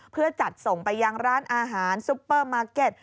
เพื่อจัดส่งไปยังร้านอาหารซุปเปอร์มาร์เก็ต